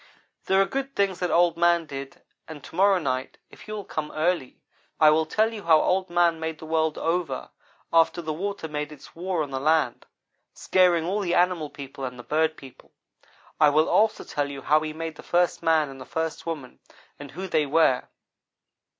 "There are good things that Old man did and to morrow night, if you will come early, I will tell you how Old man made the world over after the water made its war on the land, scaring all the animal people and the bird people. I will also tell you how he made the first man and the first woman and who they were.